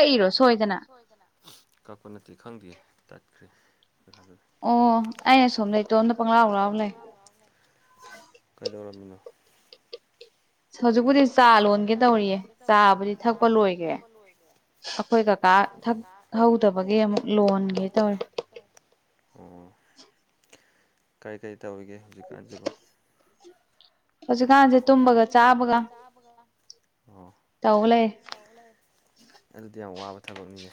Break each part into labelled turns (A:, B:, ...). A: ꯑꯗꯣ ꯀ ꯀꯛꯏꯔꯣ ꯁꯣꯏꯗꯅ ꯀꯛꯄ ꯅꯠꯇꯦ ꯈꯪꯗꯦ ꯇꯠꯈ꯭ꯔꯦ꯫
B: ꯑꯣ ꯑꯩꯅ ꯁꯣꯝꯗ ꯏꯇꯣꯝꯗ ꯄꯪꯂꯥꯎ ꯂꯥꯎ ꯂꯩ꯫
A: ꯀꯩꯗꯧꯔꯝꯃꯤꯅꯣ
B: ꯍꯧꯖꯤꯛꯄꯨꯗꯤ ꯆꯥ ꯂꯣꯟꯒꯦ ꯇꯧꯔꯤꯌꯦ ꯆꯥꯕꯨꯗꯤ ꯊꯛꯄ ꯂꯣꯏꯈ꯭ꯔꯦ ꯑꯩꯈꯣꯏ ꯀꯀꯥ ꯊꯛꯍꯧꯗꯕꯒꯤ ꯑꯃꯨꯛ ꯂꯣꯟꯒꯦ ꯇꯧꯋꯦ
A: ꯑꯣ ꯀꯔꯤ ꯀꯔꯤ ꯇꯧꯔꯤꯒꯦ ꯍꯧꯖꯤꯛꯀꯥꯟꯁꯤꯕꯣ ꯍꯧꯖꯤꯛ ꯀꯥꯟꯁꯦ ꯇꯨꯝꯕꯒ ꯆꯥꯕꯒ ꯇꯧ ꯂꯩꯔꯦ ꯑꯗꯨꯗꯤ ꯌꯥꯝ ꯋꯥꯕ ꯊꯕꯛꯅꯤꯅꯦ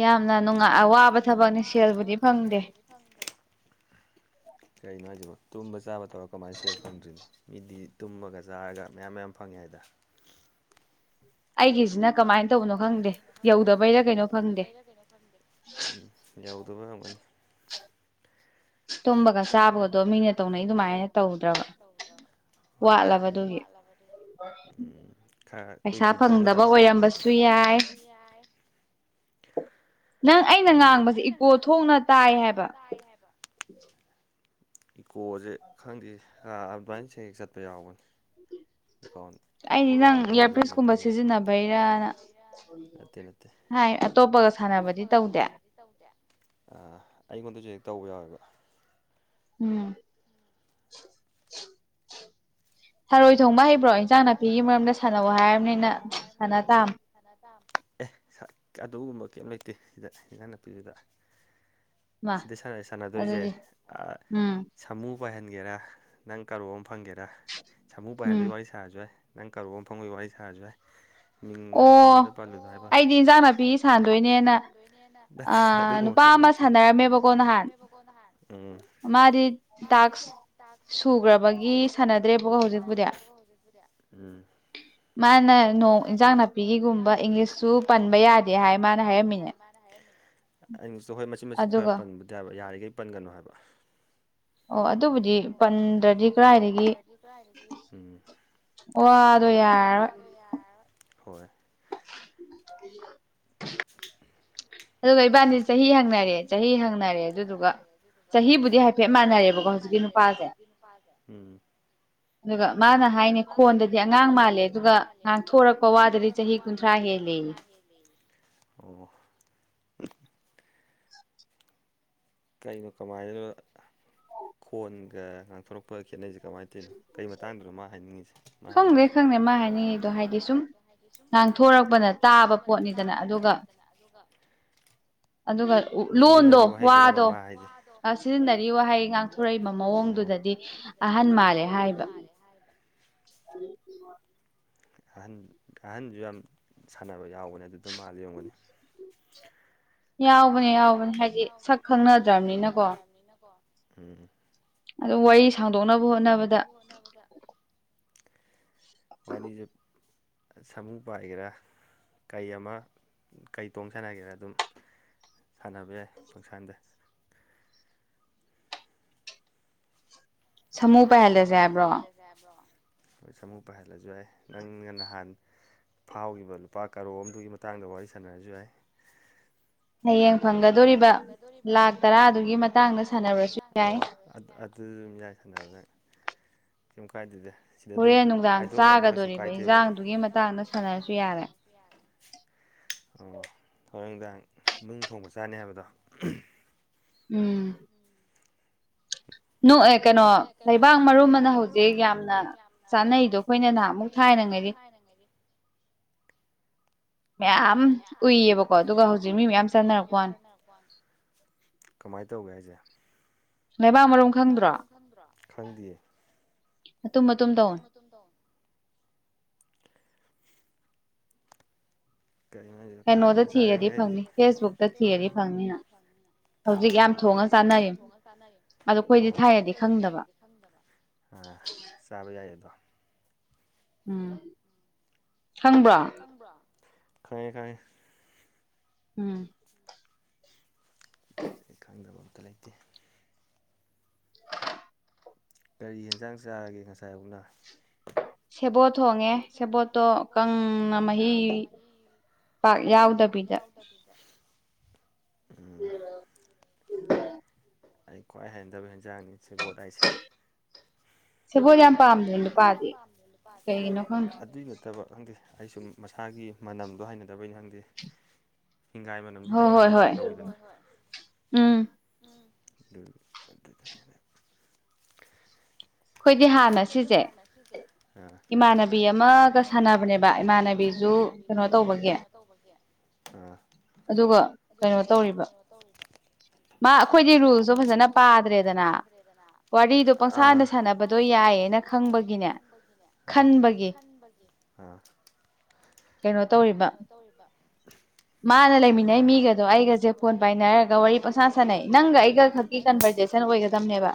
B: ꯌꯥꯝꯅ ꯅꯨꯡꯉꯥꯏ ꯋꯥꯕ ꯊꯕꯛꯅꯤ ꯁꯦꯜꯕꯨꯗꯤ ꯐꯪꯗꯦ
A: ꯀꯩꯅꯣ ꯍꯥꯏꯁꯤꯕꯣ ꯇꯨꯝꯕ ꯆꯥꯕ ꯇꯧꯔ ꯀꯃꯥꯏꯅ ꯁꯦꯜꯕ ꯐꯪꯗ꯭ꯔꯤꯅꯣ ꯃꯤꯗꯤ ꯇꯨꯝꯃꯒ ꯆꯥꯔꯒ ꯃꯌꯥꯝ ꯃꯌꯥꯝ ꯐꯪꯉꯦ ꯍꯥꯏꯗ꯫
B: ꯑꯩꯒꯤꯁꯤꯅ ꯀꯃꯥꯏꯅ ꯇꯧꯕꯅꯣ ꯈꯪꯗꯦ ꯌꯧꯗꯕꯩꯔꯥ ꯀꯩꯅꯣ ꯈꯪꯗꯦ꯫
A: ꯌꯧꯗꯕ ꯑꯣꯏꯔꯝꯒꯅꯤ꯫
B: ꯇꯨꯝꯕꯒ ꯆꯥꯕꯒꯗꯣ ꯃꯤꯅ ꯇꯧꯅꯩ ꯑꯗꯨꯃꯥꯏꯅ ꯇꯧꯗ꯭ꯔꯕ
A: ꯍꯣꯏ ꯃꯤ ꯋꯥꯠꯂꯕ ꯑꯗꯨꯏ ꯎꯝ꯫ ꯈ ꯀꯨꯏ ꯀꯨꯏ ꯇꯨꯝꯒꯗꯕ [unintelligible] ꯑꯣꯏꯔꯝꯕ ꯌꯥꯢ꯫
B: ꯅꯪ ꯑꯩꯅ ꯉꯥꯡꯕꯁꯦ ꯏꯀꯣ ꯊꯣꯛꯅ ꯇꯥꯏ ꯍꯥꯏꯕ
A: ꯍꯥꯏ ꯍꯥꯏꯕ ꯏꯀꯣꯖꯦ ꯈꯪꯗꯦ ꯑ ꯑꯗꯨꯃꯥꯏꯅ ꯁꯦꯡꯅ ꯆꯠꯄ ꯌꯥꯎꯕꯅꯦ ꯑꯦꯀꯥꯎ ꯑꯦꯀꯥꯎꯟ ꯑꯅꯤꯗꯨꯒꯤ ꯅꯠꯇꯦ ꯅꯠꯇꯦ
B: ꯍꯥꯏ ꯑꯇꯣꯞꯄꯒ ꯁꯥꯟꯅꯕꯗꯤ ꯇꯧꯗꯦ
A: ꯑꯩꯉꯣꯟꯗꯁꯨ ꯍꯦꯛ ꯇꯧꯕ ꯌꯥꯎꯋꯦꯕ
B: ꯎꯝ ꯊꯔꯣꯏ ꯊꯣꯡꯕ ꯍꯩꯕ꯭ꯔꯣ ꯏꯟꯖꯥꯡ ꯅꯥꯄꯤꯒꯤ ꯃꯔꯝꯗ ꯁꯥꯟꯅꯧ ꯍꯥꯏꯔꯝꯅꯤꯅ ꯁꯥꯟꯅ ꯇꯥꯝꯃꯦ꯫
A: ꯑꯦ ꯑꯗꯨꯒꯨꯝꯕ ꯀꯩꯝ ꯂꯩꯇꯦ ꯁꯤꯗ ꯏꯖ ꯅꯥꯄꯤꯗꯨꯗ ꯁꯤꯗ ꯁꯥꯟꯅꯗꯣꯏꯁꯦ ꯁꯥꯃꯨ ꯄꯥꯏꯍꯟꯒꯦꯔꯥ ꯅꯪ ꯀꯔꯣ ꯑꯃ ꯐꯪꯒꯦꯔꯥ [unintelligible] ꯋꯥꯔꯤ ꯁꯥꯔꯖꯨ ꯌꯥꯏ ꯅꯪ ꯀꯔꯣꯔ ꯑꯝ ꯐꯪꯕꯩ ꯋꯥꯔꯤ ꯁꯥꯔꯖꯨ ꯌꯥꯏ꯫ ꯃꯤꯡ ꯂꯩꯐꯝꯗꯨꯗ ꯄꯜꯂꯨꯗ ꯂꯣꯢ ꯑꯣ ꯑꯩꯗꯤ ꯏꯪꯖꯥꯡ ꯅꯄꯤꯒꯤ ꯁꯥꯟꯅꯗꯣꯏꯅꯦꯅ ꯅꯠꯇꯦ ꯑꯗꯨꯒꯨꯝꯕ ꯀꯦꯝꯂꯩ꯫ ꯅꯨꯄꯥ ꯑꯃ ꯁꯥꯟꯅꯔꯝꯃꯦꯕꯀꯣ ꯅꯍꯥꯟ ꯃꯥꯗꯤ
B: ꯁꯨꯈ꯭ꯔꯕꯒꯤ ꯁꯥꯟꯅꯗ꯭ꯔꯦꯕꯀꯣ ꯍꯧꯖꯤꯛ꯫ ꯃꯅ ꯅꯣꯡ ꯏꯟꯁꯥꯡ ꯅꯥꯄꯤꯒꯤꯒꯨꯝꯕ ꯏꯪꯂꯤꯁꯁꯨ ꯄꯟꯕ ꯌꯥꯗꯦ ꯍꯥꯏ ꯃꯥꯅ ꯍꯥꯏꯔꯝꯃꯤꯅꯦ
A: [unintelligible] ꯏꯪꯂꯤꯁꯇꯣ ꯍꯣꯏ ꯃꯆꯤꯠ ꯃꯆꯤꯠ ꯈꯔ ꯄꯟꯕꯗꯤ ꯌꯥꯕ ꯌꯥꯔꯤꯒꯩ ꯄꯟꯒꯅꯨ ꯍꯥꯏꯕ
B: ꯑꯣ
A: ꯑꯣ ꯑꯗꯨꯕꯨꯗꯤ ꯄꯟꯗ꯭ꯔꯗꯤ ꯀꯔꯥꯏꯗꯤꯒꯤ
B: ꯋꯥꯗꯣ ꯌꯥꯔꯣꯏ
A: ꯑꯗꯣ ꯌꯥꯔ ꯔꯣꯏ ꯍꯣꯏ
B: ꯎꯝ
A: [unintelligible]
B: [unintelligible] ꯑꯗꯨꯒ ꯏꯕꯥꯅꯤ ꯆꯍꯤ ꯍꯪꯅꯔꯦ ꯆꯍꯤ ꯍꯪꯅꯔꯦ ꯑꯗꯨꯗꯨꯒ ꯆꯍꯤꯕꯨꯗꯤ ꯍꯥꯏꯐꯦꯠ ꯃꯥꯟꯅꯔꯦꯕꯀꯣ ꯍꯧꯖꯤꯛꯀꯤ ꯅꯨꯄꯥ
A: ꯍꯧꯖꯤꯛꯀꯤ ꯅꯨꯄꯥꯁꯦ ꯎꯝ
B: [inaudible] ꯑꯗꯨꯒ ꯃꯥꯅ ꯍꯥꯏꯅꯦ ꯈꯣꯟꯗꯗꯤ ꯑꯉꯥꯡ ꯃꯥꯜꯂꯦ ꯑꯗꯨꯒ ꯉꯥꯡꯊꯣꯔꯛꯄ ꯋꯥꯗꯗꯤ ꯆꯍꯤ ꯀꯨꯟꯊ꯭ꯔꯥ ꯍꯦꯜꯂꯦꯌꯦ
A: [unintelligible] ꯑꯣ ꯀꯩꯅꯣ ꯀꯃꯥꯏꯅ ꯈꯣꯟꯒ ꯉꯥꯡꯊꯣꯔꯛꯄ ꯈꯦꯠꯅꯩꯁꯦ ꯀꯃꯥꯏꯅ ꯀꯩꯅꯣ ꯀꯩ ꯃꯇꯥꯡꯗꯨꯅꯣ ꯃꯥ ꯍꯥꯏꯅꯤꯡꯉꯤꯁꯦ ꯃꯥ ꯍꯥꯏꯅꯤꯡꯉꯤꯗꯣ ꯈꯪꯗꯔꯦ ꯈꯪꯗꯔꯦ ꯃꯍꯥꯏ ꯅꯤꯡ ꯉꯤꯗꯣ ꯍꯥꯏꯗꯤ ꯁꯨꯝ ꯉꯥꯡꯊꯣꯔꯛꯄꯅ ꯇꯥꯕ ꯄꯣꯠꯅꯤꯗꯅ ꯑꯗꯨꯒ
B: ꯑꯗꯨꯒ ꯂꯣꯟꯗꯣ ꯋꯥꯗꯣ ꯑ ꯁꯤꯖꯤꯟꯅꯔꯤ ꯋꯥꯍꯩ ꯉꯥꯡꯊꯣꯔꯛꯏꯕ ꯃꯑꯣꯡꯗꯨꯗꯗꯤ
A: ꯑꯍꯟ ꯃꯥꯜꯂꯦ ꯍꯥꯏꯕ
B: [unintelligible]
A: ꯑꯍꯟ ꯑꯍꯟꯁꯨ ꯌꯥꯝ ꯁꯥꯟꯅꯕ ꯌꯥꯎꯕꯅꯦ ꯑꯗꯨꯗ ꯃꯥ ꯌꯡꯒꯅꯤ
B: ꯌꯥꯎꯕꯅꯦ ꯌꯥꯎꯕꯅꯦ ꯍꯥꯏꯗꯤ ꯁꯛ ꯈꯪꯅꯗ꯭ꯔꯃꯤꯅꯀꯣ
A: ꯅꯤꯅꯀꯣ ꯎꯝ
B: ꯑꯗ ꯋꯥꯏꯁ
A: ꯑꯗꯨ ꯋꯥꯔꯤ ꯁꯥꯡꯗꯣꯛꯅꯕ ꯍꯣꯠꯅꯕꯗ ꯋꯥꯔꯤꯁꯦ ꯁꯥꯃꯨ ꯄꯥꯏꯒꯦꯔꯥ ꯀꯩ ꯑꯃ ꯀꯩ ꯇꯣꯡ ꯁꯥꯟꯅꯒꯦꯔꯥ ꯑꯗꯨꯝ ꯁꯥꯟꯅꯕ ꯌꯥꯏ ꯄꯪꯁꯥꯟꯗ
B: ꯁꯥꯃꯨ ꯄꯥꯏꯍꯜꯂꯁꯦ ꯍꯥꯏꯕ꯭ꯔꯣ
A: [unintelligible] ꯍꯣꯏ ꯁꯥꯃꯨ ꯄꯥꯏꯍꯜꯂꯖꯨ ꯌꯥꯏ ꯅꯪꯅ ꯅꯍꯥꯟ ꯐꯥꯎꯈꯤꯕ ꯂꯨꯄꯥ ꯀꯔꯣ ꯑꯃꯗꯨꯏ ꯃꯇꯥꯡꯗ ꯋꯥꯔꯤ ꯁꯥꯟꯅꯔꯁꯨ ꯌꯥꯏ
B: ꯍꯌꯦꯡ ꯐꯪꯒꯗꯣꯔꯤꯕ ꯂꯥꯛ ꯇꯔꯥꯗꯨꯒꯤ ꯃꯇꯥꯡꯗ ꯁꯥꯟꯅꯔꯁꯨ ꯌꯥꯏ
A: ꯑꯗꯨ ꯌꯥ ꯌꯥꯏ ꯁꯥꯟꯅꯔꯁꯨ ꯌꯥꯏ ꯀꯦꯝ ꯀꯥꯏꯗꯦꯗ
B: ꯍꯣꯔꯦꯟ ꯅꯨꯡꯗꯥꯡ ꯆꯥꯒꯗꯣꯔꯤꯕ ꯏꯟꯖꯥꯡꯗꯨꯒꯤ ꯃꯇꯥꯡꯗ ꯁꯥꯟꯅꯔꯁꯨ ꯌꯥꯔꯦ
A: ꯑꯣ ꯍꯣꯔ ꯅꯨꯡꯗꯥꯡ ꯅꯨꯡ ꯊꯣꯡꯕ ꯆꯥꯅꯤ ꯍꯥꯏꯕꯗꯣ
B: ꯎꯝ
A: ꯅꯣꯛ ꯑꯦ ꯀꯩꯅꯣ ꯂꯩꯩꯕꯥꯛ ꯃꯔꯣ ꯑꯃꯅ ꯍꯧꯖꯤꯛ ꯌꯥꯝꯅ ꯆꯥꯅꯩꯗꯣ ꯑꯩꯈꯣꯏꯅ ꯅꯍ ꯑꯃꯨꯛ ꯊꯥꯏꯅ [unintelligible]
B: ꯃꯌꯥꯝ ꯎꯏꯌꯦꯕꯀꯣ ꯑꯗꯨꯒ ꯍꯧꯖꯤꯛ ꯃꯤ ꯃꯌꯥꯝ ꯆꯥꯅꯔꯛꯄꯅꯤ
A: ꯀꯃꯥꯏꯅ ꯇꯧꯒꯦ ꯍꯥꯏꯁꯦ ꯃꯕꯥ ꯃꯔꯣꯝ ꯈꯪꯕ꯭ꯔꯣ ꯈꯪꯗ ꯃꯇꯨꯡ ꯃꯇꯗ ꯀꯔꯤ ꯊꯥꯏꯅ ꯆꯥꯔꯤꯈꯩꯁꯦ ꯍꯧꯖꯤꯛ ꯌꯥꯝ ꯊꯣꯡꯉ ꯆꯥꯅꯔꯤ ꯑꯗꯣ ꯑꯩꯈꯣꯏꯗꯤ ꯊꯥꯏꯔꯗꯤ ꯑ ꯆꯥꯕ ꯌꯥꯥꯏꯗꯣ
B: ꯎꯝ ꯁꯪꯕ
A: ꯈꯪꯕ꯭ꯔꯥ ꯈꯔꯦ ꯈꯔꯦ
B: ꯎꯝ
A: ꯑꯩ ꯈꯪꯗꯕ ꯑꯝꯇ ꯂꯩ [unintelligible] ꯀꯔꯤ ꯌꯦꯟꯖꯥꯡ ꯆꯥꯔꯒꯦ ꯉꯁꯥꯏꯐꯥꯎꯅ
B: ꯁꯦꯕꯣꯠ ꯊꯣꯡꯉꯦ ꯁꯦꯕꯣꯠꯇꯣ ꯀꯪꯅ ꯃꯍꯤ ꯄ ꯌꯥꯎꯗꯕꯤꯖ
A: ꯎꯝ ꯑꯩ ꯈ꯭ꯋꯥꯏ ꯍꯦꯟꯊꯕ ꯍꯦꯟꯖꯥꯡꯅꯤ ꯁꯦꯕꯣꯠ ꯍꯥꯏꯁꯦ
B: ꯁꯤꯕꫭ ꯌꯥꯝ ꯄꯥꯝꯃꯦ
A: [unintelligible] ꯑꯗꯨꯏ [unintelligible] ꯐꯠꯇꯕ ꯈꯪꯗꯦ ꯑꯩꯁꯨꯨꯝ ꯃꯁꯥꯒꯤ ꯃꯅꯝꯗꯣ ꯍꯅꯗꯕꯩ ꯈꯪꯗꯦ ꯍꯤꯡꯒꯥꯏ ꯃꯅꯝ ꯈꯤꯇꯪ ꯅꯝꯕꯁ ꯌꯥꯝ [unintelligible] ꯇꯧꯋꯤꯗꯅ ꯑꯗꯨ ꯑꯗꯨꯅ ꯑꯩꯈꯣꯏꯒꯤ ꯍꯥꯟꯅ ꯁꯤꯁꯦ ꯏꯃꯥꯟꯅꯕꯤ ꯑꯃꯒ ꯁꯥꯟꯅꯕꯅꯦꯕ ꯏꯃꯥꯟꯅꯕꯤ ꯕꯤꯁꯨꯨ ꯀꯩꯅꯣ ꯇꯧꯕꯒꯤ
B: ꯑꯗꯨꯒ ꯀꯩꯅꯣ ꯇꯧꯔꯤꯕ ꯃꯥ ꯑꯩꯈꯣꯏꯗꯤ ꯔꯨꯜꯇꯣ ꯐꯖꯅ ꯄꯥꯗ꯭ꯔꯦꯗꯅ ꯋꯥꯔꯤꯗꯣ ꯄꯪꯁꯥꯟꯗ ꯁꯥꯟꯅꯕꯗꯣ ꯌꯥꯏ
A: ꯗꯣ ꯌꯥꯏꯌꯦꯅ ꯈꯪꯕꯒꯤꯅꯦ ꯈꯟꯕꯒꯤ
B: ꯀꯩꯅꯣ ꯇꯧꯔꯤꯕ
A: ꯍꯣꯏꯕ
B: ꯃꯥꯅ ꯂꯩ ꯂꯩꯃꯤꯅꯩ ꯃꯤꯒꯗꯣ ꯑꯩꯒꯁꯦ ꯐꯣꯟ ꯄꯥꯏꯅꯔꯒ ꯋꯥꯔꯤ ꯄꯁꯥ ꯁꯥꯟꯅꯩ ꯅꯪꯒ ꯑꯩꯒ ꯈꯛꯀꯤ ꯀꯟꯚꯔꯖꯦꯁꯟ ꯑꯣꯏꯒꯗꯕꯅꯦꯕ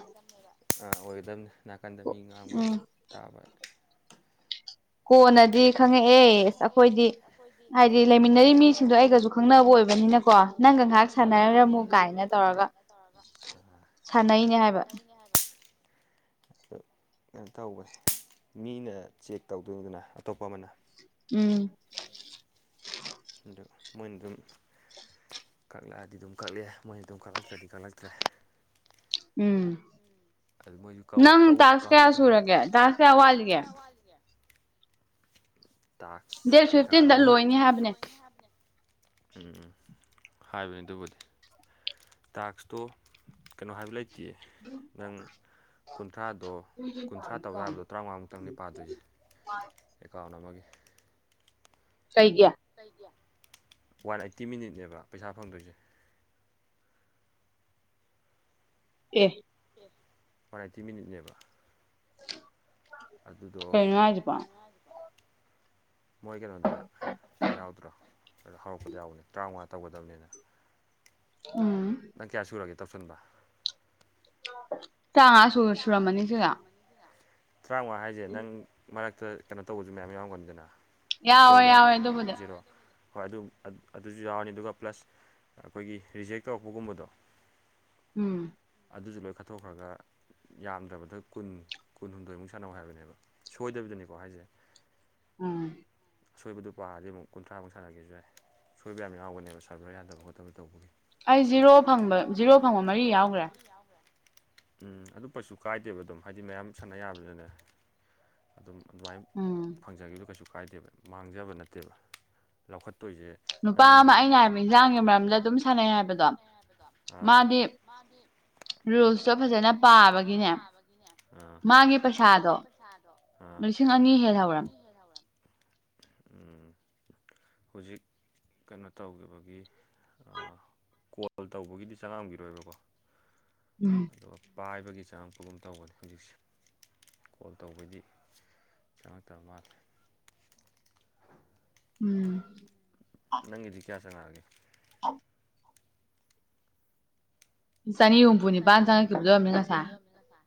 A: ꯑꯣꯏꯒꯗꯕꯅꯤ ꯅꯥꯀꯟꯗ ꯃꯤ ꯉꯥꯡꯕ ꯇꯥꯕ
B: ꯀꯣꯟꯅꯗꯤ ꯈꯪꯉꯛꯑꯦ ꯑꯩꯈꯣꯏꯗꯤ ꯍꯥꯏꯗꯤ ꯂꯩꯃꯤꯟꯅꯔꯤꯕ ꯃꯤꯁꯤꯡꯗꯣ ꯑꯩꯒꯁꯨ
A: ꯁꯤꯗꯣ ꯑꯩꯒꯁꯨ ꯈꯪꯅꯕ ꯑꯣꯏꯕꯅꯤꯅꯀꯣ ꯉꯥꯏꯍꯥꯛ ꯁꯥꯟꯅꯔꯒ ꯑꯃꯨꯛ ꯀꯥꯏꯅ ꯇꯧꯔꯒ
B: ꯁꯥꯟꯅꯩꯅꯦ ꯍꯥꯏꯕ
A: ꯑ ꯀꯩꯅꯣ ꯇꯧꯈꯦ ꯃꯤꯅ ꯆꯦꯛ ꯇꯧꯗꯣꯏꯅꯤꯗꯅ ꯑꯇꯣꯞꯄ ꯑꯃꯅ
B: ꯎꯝ
A: ꯑꯗꯨ ꯃꯣꯏꯅ ꯑꯗꯨꯝ ꯀꯛꯂꯛꯑꯗꯤ ꯑꯗꯨꯝ ꯀꯛꯂꯑꯦ ꯃꯣꯏꯅ ꯑꯗꯨꯝ ꯀꯛꯂꯛꯇ꯭ꯔꯗꯤ ꯀꯛꯂꯛꯇ꯭ꯔꯦ
B: ꯎꯝ
A: ꯑꯗꯨ ꯃꯣꯏꯁꯨ ꯅꯪ ꯇꯥꯁꯀ ꯀꯌꯥ ꯁꯨꯔꯥꯒꯦ ꯀꯌꯥ ꯋꯥꯠꯂꯤꯒꯦ ꯇꯥꯛꯁ ꯀꯩꯀꯥꯗ ꯑꯗꯨ ꯎꯝ ꯍꯥꯏꯕꯅꯤ ꯑꯗꯨꯕꯨꯗꯤ ꯇꯥꯛꯁꯇꯣ ꯀꯩꯅꯣ ꯍꯥꯏꯕ ꯂꯩꯇꯦ ꯅꯪ ꯀꯨꯟꯊ꯭ꯔꯥꯗꯣ ꯀꯨꯟꯊ꯭ꯔꯥ ꯇꯧ ꯌꯥꯕꯗꯣ ꯇꯔꯥꯃꯉꯥꯃꯨꯛꯇꯪꯅꯤ ꯄꯥꯗꯣꯏꯁꯦ ꯑꯦꯀꯥꯎꯟ ꯑꯃꯒꯤ
B: ꯀꯩꯒꯤ
A: ꯋꯥꯟ ꯑꯥꯏꯠꯇꯤ ꯃꯤꯅꯤꯠꯅꯦꯕ ꯄꯩꯁꯥ ꯐꯪꯗꯣꯏꯁꯦ
B: ꯑꯦ
A: ꯋꯥꯟ ꯑꯥꯏꯠꯇꯤ ꯃꯤꯅꯤꯠꯅꯦꯕ
B: [inaudible]
A: ꯑꯗꯨꯗꯣ ꯃꯣꯏ ꯀꯩꯅꯣꯗ ꯌꯥꯎꯗ꯭ꯔꯣ ꯍꯧꯔꯛꯄꯗ ꯌꯥꯎꯕꯅꯦ ꯇꯔꯥꯃꯉꯥ ꯇꯧꯒꯗꯕꯅꯤꯅ
B: ꯎꯝ
A: ꯅꯪ ꯀꯌꯥ ꯁꯨꯔꯒꯦ ꯇꯧꯁꯤꯟꯕ
B: ꯇꯔꯥ ꯃꯉꯥ
A: ꯇꯔꯥꯃꯉꯥ ꯍꯥꯏꯁꯦ ꯅꯪ ꯃꯔꯛꯇ ꯀꯩꯅꯣ ꯇꯧꯕꯁꯨ ꯃꯌꯥꯝ ꯌꯥꯝꯎꯒꯟꯗꯅ ꯁꯣꯏꯕ ꯖꯔꯣ ꯍꯣꯏ ꯑꯗꯨ ꯑꯗꯨꯁꯨ ꯌꯥꯎꯔꯅꯤ ꯑꯗꯨꯒ ꯄ꯭ꯂꯁ ꯑꯩꯈꯣꯏꯒꯤ ꯔꯤꯖꯦꯛ ꯇꯧꯔꯛꯄꯒꯨꯝꯕꯗꯣ
B: ꯎꯝ
A: ꯑꯗꯨꯁꯨ ꯂꯣꯏ ꯀꯠꯠꯇꯣꯛꯈ꯭ꯔꯒ ꯌꯥꯝꯗ꯭ꯔꯕꯗ ꯀꯨꯟ ꯀꯨꯟꯍꯨꯝꯗꯣꯏꯃꯨꯛ ꯁꯥꯟꯅꯧ ꯍꯥꯏꯕꯅꯦꯕ ꯁꯣꯏꯗꯕꯤꯗꯅꯤꯀꯣ ꯍꯥꯏꯁꯦ
B: ꯎꯝ
A: ꯑꯁꯣꯏꯕꯗꯨ ꯄꯥꯔꯗꯤ ꯑꯃꯨꯛ ꯀꯨꯟꯊ꯭ꯔꯥꯃꯨꯛ ꯁꯥꯟꯅꯒꯦꯁꯨ ꯌꯥꯏ ꯁꯣꯏꯕ ꯌꯥꯝ ꯌꯥꯎꯒꯅꯦꯕ ꯁꯥꯔꯚꯔ ꯌꯥꯗꯕ ꯈꯣꯠꯇꯕ ꯇꯧꯕꯒꯤ
B: ꯑꯩ ꯖꯤꯔꯣ ꯐꯪꯕ ꯖꯤꯔꯣ ꯐꯪꯕ ꯃꯔꯤ ꯌꯥꯎꯈ꯭ꯔꯥ
A: ꯎꯝ ꯑꯗꯨ ꯀꯩꯁꯨ ꯀꯥꯏꯗꯦꯕ ꯑꯗꯨꯝ ꯍꯥꯏꯗꯤ ꯃꯌꯥꯝ ꯁꯥꯟꯅ ꯌꯥꯕꯅꯤꯅꯅꯦ ꯑꯗꯨꯝ ꯑꯗꯨꯃꯥꯏꯅ
B: ꯎꯝ
A: ꯐꯪꯖꯈꯤꯕꯗꯣ ꯀꯩꯁꯨ ꯀꯥꯏꯗꯦꯕ ꯃꯥꯡꯖꯕ ꯅꯠꯇꯦꯕ ꯂꯧꯈꯠꯇꯣꯏꯁꯦ ꯅꯨꯄꯥ ꯑꯃ ꯑꯩꯅ ꯍꯥꯏꯕ ꯏꯟꯖꯥꯡꯒꯤ ꯃꯔꯝꯗ ꯑꯗꯨꯝ ꯁꯥꯟꯅꯩ ꯍꯥꯏꯕꯗꯣ ꯃꯥꯗꯤ
B: ꯔꯨꯜꯁ
A: ꯔꯨꯜꯁꯇꯣ ꯐꯖꯅ ꯄꯥꯕꯒꯤꯅꯦ ꯃꯥꯒꯤ ꯄꯩꯁꯥꯗꯣ ꯑꯥ ꯆꯥꯅꯤ ꯍꯦꯟꯍꯧꯔꯝ
B: [inaudible]
A: ꯎ ꯍꯧꯖꯤꯛ ꯀꯩꯅꯣ ꯇꯧꯈꯤꯕꯒꯤ ꯀꯣꯜ ꯇꯧꯕꯒꯤꯗꯤ ꯆꯪꯉꯛꯝꯈꯤꯔꯣꯏꯕꯀꯣ
B: ꯎꯝ
A: ꯑꯗꯨꯒ ꯄꯥꯏꯕꯒꯤ ꯆꯥꯡ ꯐꯒꯨꯝ ꯇꯧꯒꯅꯤ ꯍꯧꯖꯤꯛꯁꯦ ꯀꯣꯜ ꯇꯧꯕꯗꯤ ꯆꯪꯉꯛꯇꯕ ꯃꯥꯜꯂꯦ
B: ꯎꯝ
A: ꯅꯪꯗꯤ ꯀꯌꯥ ꯆꯖꯒꯥꯅꯤ
B: ꯑꯣ ꯆꯥꯅꯤ ꯍꯨꯝꯐꯨ
A: ꯆꯅꯤ ꯍꯨꯝꯐꯨ ꯅꯤꯄꯥꯟ ꯆꯪꯉ ꯊꯤꯖꯑꯃꯤ ꯉꯁꯥꯏ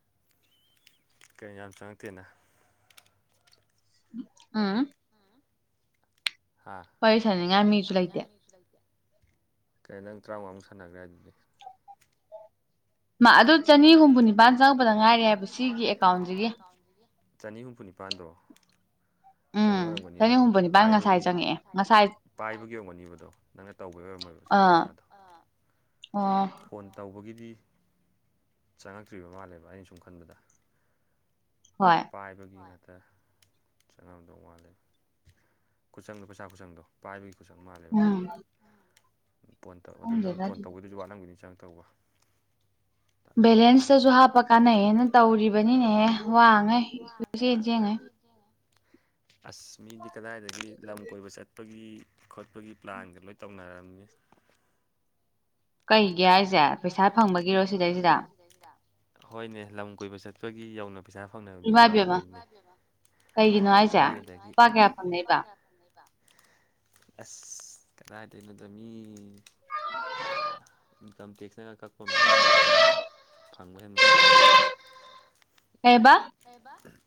A: ꯀꯔꯤ ꯌꯥꯝ ꯆꯪꯉꯛꯇꯦꯅ
B: ꯎꯝ
A: ꯍꯥ ꯋꯥꯔꯤ ꯁꯥꯟꯅ ꯅꯤꯡꯉꯥꯏ ꯃꯤꯁꯨ ꯂꯩꯇꯦ ꯀꯦꯅꯣ ꯅꯪ ꯇꯔꯥꯃꯉꯥꯃꯨꯛ ꯁꯥꯟꯅꯈ꯭ꯔꯦ ꯑꯗꯨꯗꯤ
B: ꯃꯥ ꯑꯗꯨ ꯆꯅꯤ ꯍꯨꯝꯐꯨ ꯅꯤꯄꯥꯟ ꯆꯪꯉꯛꯄꯗ ꯉꯥꯏꯔꯦ ꯍꯥꯏꯕ ꯁꯤꯒꯤ ꯑꯦꯀꯥꯎꯟꯁꯤꯒꯤ
A: [unintelligible] ꯆꯅꯤ ꯍꯨꯝꯐꯨ ꯅꯤꯄꯥꯥꯟꯗꯣ ꯀꯩꯅꯣ ꯑꯣꯏꯔꯝꯒꯅꯦꯕꯗꯣ ꯄꯥꯏꯕꯒꯤ ꯄꯥꯏꯕꯒꯤ ꯑꯣꯏꯔꯝꯒꯅꯦꯕꯗꯨ ꯅꯪꯅ ꯇꯧꯕꯒꯤ ꯑꯣꯏꯔꯝꯃꯣꯏꯕ ꯆꯪꯉꯦ ꯄꯩꯁꯥꯗꯣ
B: ꯑꯣ
A: ꯐꯣꯟ ꯇꯧꯕꯒꯤꯗꯤ ꯆꯪꯉꯛꯇ꯭ꯔꯤꯕ ꯃꯥꯜꯂꯦꯕ ꯑꯩꯅ ꯁꯨꯝ ꯈꯟꯕꯗ
B: ꯍꯣꯏ
A: ꯄꯥꯏꯕꯒꯤ ꯉꯥꯛꯇ ꯆꯪꯉꯝꯗꯧ ꯃꯥꯠꯂꯦ ꯈꯨꯆꯪꯗꯣ ꯄꯩꯁꯥ ꯈꯨꯆꯪꯗꯣ ꯄꯥꯏꯕꯒꯤ ꯈꯨꯁꯛ ꯃꯥꯜꯂꯦꯕ ꯐꯣꯟ ꯇꯧ ꯑꯗꯨ ꯅꯪ ꯐꯣꯟ ꯇꯧꯕꯗꯨꯁꯨ ꯋꯥꯠꯂꯝꯒꯅꯤ ꯆꯪꯉ ꯇꯧꯕ
B: ꯕꯦꯂꯦꯟꯁꯇꯁꯨ ꯍꯥꯞꯄ ꯀꯥꯟꯅꯩꯑꯦꯅ ꯇꯧꯔꯤꯕꯅꯤꯅꯦꯍꯦ ꯋꯥꯡꯉꯦ ꯆꯦꯟ ꯆꯦꯡꯉꯦ
A: ꯑꯁ ꯃꯤꯗꯤ ꯀꯗꯥꯏꯗꯒꯤ ꯂꯝ ꯀꯣꯏꯕ ꯆꯠꯦ ꯈꯣꯠꯄꯒꯤ ꯈꯣꯠꯄꯒꯤ ꯄ꯭ꯂꯥꯟꯗꯣ ꯂꯣꯏ ꯇꯧꯅꯔꯝꯅꯤ
B: ꯀꯩꯒꯤ ꯍꯥꯏꯁꯦ ꯄꯩꯁꯥ ꯐꯪꯕꯒꯤꯔꯣ ꯁꯤꯗꯩꯁꯤꯗ
A: ꯂꯤꯟꯗ ꯍꯣꯏꯅꯦ ꯂꯝ ꯀꯣꯏꯕ ꯆꯠꯄꯒꯤ ꯌꯧꯅꯕ ꯄꯩꯁꯥ ꯐꯪꯅꯕ ꯃꯤ ꯌꯥꯎꯔꯕꯅꯤꯅ ꯊꯥꯏꯅꯗꯒꯤ ꯑꯁ ꯀꯗꯥꯏꯗꯩꯅꯣꯗ ꯃꯤ ꯏꯟꯀꯝ ꯇꯦꯛꯁꯅꯒ ꯀꯛꯄ ꯃꯌꯥꯝ ꯌꯥꯎꯔꯨꯖꯥꯅꯤ ꯐꯪꯕ ꯍꯦꯟꯕꯂꯛꯇꯅ
B: ꯀꯩꯕ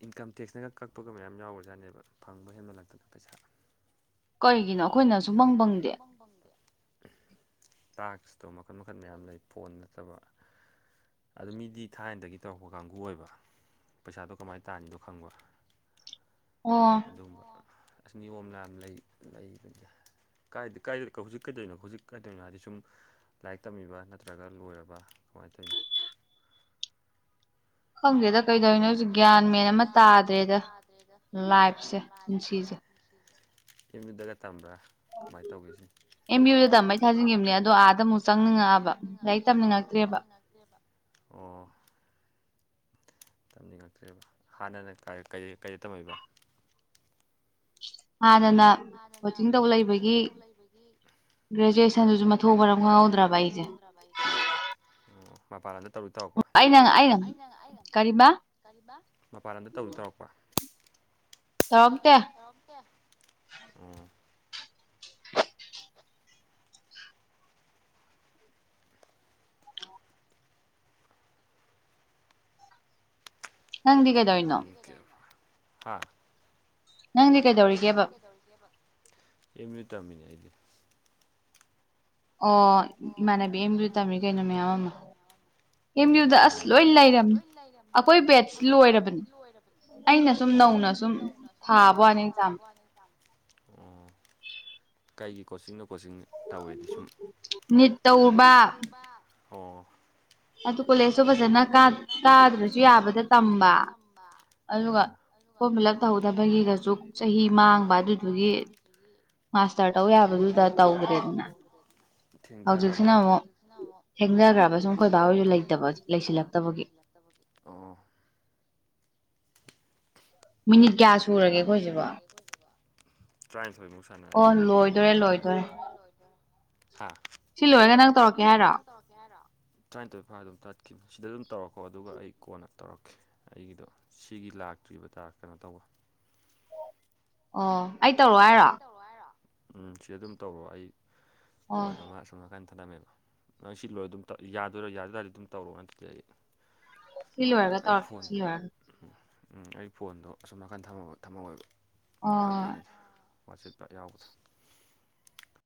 A: ꯏꯟꯀꯝ ꯇꯦꯛꯁꯅꯒ ꯀꯛꯄꯒ ꯃꯌꯥꯝ ꯌꯥꯎꯔꯖꯥꯠꯅꯦꯕ ꯐꯪꯕ ꯍꯦꯟꯃꯠꯂꯛꯇꯅ ꯄꯩꯁꯥ
B: ꯀꯔꯤꯒꯤꯅꯣ ꯑꯩꯈꯣꯏꯅ ꯁꯨꯡ ꯐꯪ ꯐꯪꯗꯦ
A: ꯄꯣꯡꯕꯪꯗ ꯇꯥꯛꯁꯇꯣ ꯃꯈꯟ ꯃꯈꯟ ꯃꯌꯥꯝ ꯂꯩ ꯐꯣꯟ ꯅꯠꯇꯕ ꯑꯗꯨ ꯃꯤꯗꯤ ꯊꯥꯏꯅꯗꯒꯤ ꯇꯧꯔꯛꯄ ꯀꯥꯡꯕꯨ ꯑꯣꯏꯕ ꯄꯩꯁꯥꯗꯣ ꯀꯃꯥꯏꯅ ꯇꯥꯟꯅꯤꯗꯣ ꯈꯪꯕ꯭ꯔ
B: ꯑꯣ
A: ꯑꯗꯨꯒꯨꯝ ꯅꯤꯌꯣꯝ ꯂꯥꯟꯅ ꯂꯩ ꯂꯩ ꯍꯧꯖꯤꯛ ꯀꯩꯗꯣꯏꯅꯣ ꯍꯧꯖꯤꯛ ꯀꯥꯏꯗꯧꯅꯣ ꯍꯥꯏꯗꯤ ꯁꯨꯝ ꯂꯥꯏꯔꯤꯛ ꯇꯝꯃꯤꯕ ꯅꯠꯇ꯭ꯔꯒ ꯂꯣꯏꯔꯕ ꯀꯃꯥꯏꯅ ꯇꯧꯅꯤ
B: ꯈꯪꯗꯦꯗ ꯀꯩꯗꯧꯅꯣ ꯍꯧꯖꯤꯛ ꯒ꯭ꯌꯥꯟ ꯃꯦꯟ ꯑꯃ ꯇꯥꯗ꯭ꯔꯦꯗ ꯂꯥꯏꯐꯁꯦ ꯄꯨꯟꯁꯤꯁꯦ
A: ꯑꯦꯝ ꯌꯨꯗꯒ ꯇꯝꯕ꯭ꯔꯥ ꯀꯃꯥꯏꯅ ꯇꯧꯒꯦ ꯁꯤ
B: ꯑꯦꯝ ꯕꯤ ꯌꯨꯗ ꯇꯝꯝꯕ ꯃꯩ ꯊꯥꯖꯤꯟꯈꯤꯕꯅꯦ ꯑꯗꯣ ꯑꯥꯗ ꯑꯃꯨꯛ ꯆꯪꯅꯤꯡꯉꯛꯑꯕ ꯂꯥꯏꯔꯤꯛ ꯇꯝꯅꯤꯡꯉꯛꯇ꯭ꯔꯦꯕ
A: ꯅꯠꯇꯕꯥ ꯑꯣ ꯇꯝꯅꯤꯡꯉꯛꯇ꯭ꯔꯦꯕ ꯍꯥꯟꯅꯅ ꯀ ꯀꯩ ꯀꯩꯗ ꯇꯝꯃꯤꯕ
B: ꯍꯥꯟꯅꯅ
A: ꯍꯥꯟꯅꯅ ꯄꯦꯛꯀꯤꯡ ꯇꯧ ꯂꯩꯕꯒꯤ
B: ꯒ꯭ꯔꯦꯖꯨꯑꯦꯁꯟꯗꯨꯁꯨ ꯃꯊ‌ꯣꯡ ꯃꯔꯝ ꯈꯪꯍꯧꯗ꯭ꯔꯕ ꯑꯩꯁꯦ
A: [unintelligible] ꯑꯣ ꯃꯄꯥꯟ ꯂꯝꯗ ꯇꯧꯗꯤ ꯇꯧꯔꯛꯄ ꯑꯩꯅ ꯑꯩꯅ ꯀꯔꯤꯕ ꯃꯄꯥꯟ ꯂꯝꯗ ꯇꯧꯗꯤ ꯇꯧꯔꯛꯄ ꯇꯧꯔꯛꯇ‌ꯦ ꯑꯣ
B: ꯅꯪꯗꯤ ꯀꯩ
A: ꯅꯪꯗꯤ ꯀꯩꯗꯧꯔꯤꯅ‌ꯣ ꯍꯥꯥ
B: ꯅꯪꯗꯤ ꯀꯩꯗꯧꯔꯤ
A: ꯅꯪꯗꯤ ꯀꯩꯗꯧꯔꯤꯒꯕ ꯑꯌꯝ ꯌꯨ ꯗ ꯇꯝꯃꯤꯅꯦ ꯑꯩꯗꯤ
B: ꯑꯣ ꯏꯃꯥꯟꯅꯕꯤ ꯑꯨ ꯇꯝꯃꯤ ꯀꯩꯅꯣ ꯃꯌꯥꯝ ꯑꯃ
A: ꯑꯦꯚꯌꯨꯗ ꯑꯁ ꯂꯣꯏ ꯂꯩꯔꯝꯃꯦ ꯑꯩꯈꯣꯏ ꯕꯦꯠ ꯂꯣꯏꯔꯕꯅꯦ ꯑꯩꯅ ꯁꯨꯝ ꯅꯧꯅ ꯁꯨꯝ ꯊꯥꯕ ꯋꯥꯅꯤ ꯇꯥꯡ ꯀꯩꯒꯤ ꯀꯣꯆꯤꯡꯅꯣ ꯀꯣꯆꯤꯡ ꯇꯧꯋꯦꯗꯤ ꯁꯨꯝ ꯑꯣ
B: ꯑꯗꯨ ꯀꯣꯂꯦꯖꯇ ꯐꯖꯅ ꯀꯥꯗ꯭ꯔꯁꯨ ꯌꯥꯕꯗ ꯇꯝꯕ
A: ꯎꯃꯍꯥ ꯑꯥ ꯑꯗꯨꯒ ꯐꯣꯔꯝ ꯐꯤꯜ ꯑꯞ ꯇꯧꯍꯧꯗꯕꯒꯤꯒꯁꯨ ꯆꯍꯤ ꯃꯥꯡꯕ ꯑꯗꯨꯗꯨꯒꯤ
B: ꯃꯥꯁꯇꯔ ꯇꯧ ꯌꯥꯕꯗꯨꯗ ꯇꯧꯗ꯭ꯔꯦꯗꯅ ꯍꯧꯖꯤꯛꯁꯤꯅ ꯑꯃꯨꯛ ꯊꯦꯡꯊꯈ꯭ꯔꯕ ꯁꯨꯝ ꯈꯣꯏ ꯕꯥ ꯍꯣꯏꯁꯨ ꯂꯩꯇꯕ ꯂꯩꯁꯤꯜꯂꯛꯇꯕꯒꯤ
A: ꯑꯣ
B: ꯃꯤꯅꯤꯠ ꯀꯌꯥ ꯁꯨꯔꯒꯦ ꯑꯩꯈꯣꯏꯁꯤꯕꯣ
A: ꯇꯔꯥꯏꯟꯊꯣꯏꯃꯨꯛ ꯁꯥꯟꯅꯔꯗꯤ ꯑꯣ ꯂ‌ꯣꯏꯗ‌ꯣꯔ‌ꯦ ꯂ‌ꯣꯏꯗ‌ꯣꯔ‌ꯦ ꯍꯥ ꯁꯤ ꯂꯣꯏꯔ ꯅꯪ ꯇꯧꯔꯛꯀꯦ ꯍꯥꯏꯔꯣ ꯇꯔꯥꯏꯟꯊꯣꯏ ꯐꯥꯔ ꯑꯗꯨꯝ ꯇꯠꯈꯤꯝ ꯁꯤꯗ ꯑꯗꯨꯝ ꯇꯧꯔꯛꯈꯣ ꯑꯗꯨꯒ ꯑꯩ ꯀꯣꯟꯅ ꯇꯧꯔꯛꯀ‌ꯦ ꯑꯩꯒꯤꯗꯣ ꯁꯤꯒꯤ ꯂꯥꯛꯇ꯭ꯔꯤꯕ ꯇꯥꯛꯁ ꯀꯩꯅꯣ ꯇꯧꯕ
B: ꯑꯣ ꯑꯩ ꯇꯧꯔꯣ ꯍꯥꯏꯔꯣ
A: ꯔ‌ꯣ ꯍꯥꯏꯔ‌ꯣ ꯎꯝ ꯁꯤꯗ ꯑꯗꯨꯝ ꯇꯧꯔꯣ ꯑꯩ ꯐꯣꯟ ꯑꯃ ꯑꯁ‌ꯣꯝꯅꯥꯀꯟ ꯊꯅꯝꯃꯦꯕ ꯅꯪ ꯁꯤ ꯂꯣꯏꯔ ꯑꯗꯨꯝ ꯇꯧꯔꯛ ꯌꯥꯗꯣꯏꯔꯥ ꯌꯥꯗ‌ꯣꯏ ꯇꯥꯔꯗꯤ ꯑꯗꯨꯝ ꯇꯧꯔ‌ꯣ ꯅꯠꯇ꯭ꯔꯗꯤ ꯑꯩ ꯑꯩ ꯐꯣꯟ [inaudible] ꯎꯝ ꯑꯩ ꯐꯣꯟꯗꯣ ꯑꯁꯨꯝ ꯅꯥꯀꯟ ꯊꯝꯍꯧ ꯊꯝꯍꯧꯋ‌ꯦꯕ
B: ꯑꯣ
A: ꯑꯣ ꯋꯥꯆ‌ꯦꯞꯇ ꯌꯥꯎꯕꯗꯣ